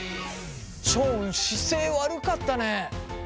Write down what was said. ション姿勢悪かったね。